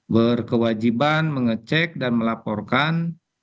berkewajiban mengecek dan melaporkan